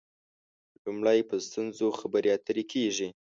لومړی په ستونزو خبرې اترې کېږي.